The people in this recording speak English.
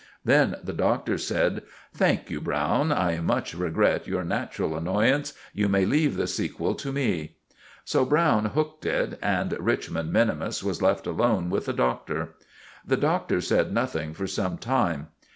Then the Doctor said— "Thank you, Browne. I much regret your natural annoyance. You may leave the sequel to me." So Browne hooked it and Richmond minimus was left alone with the Doctor. The Doctor said nothing for some time.